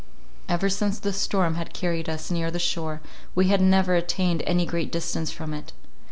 Ever since the storm had carried us near the shore, we had never attained any great distance from it.